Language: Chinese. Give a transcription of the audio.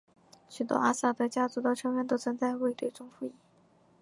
许多阿萨德家族的成员都曾在卫队中服役。